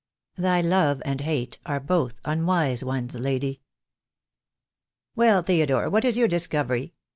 "Thy love and hate are both unwise ones, lady." "Well, Theodore, what is your discovery?"